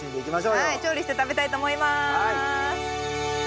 はい調理して食べたいと思います。